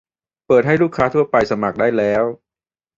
เปิดให้ลูกค้าทั่วไปสมัครได้แล้ว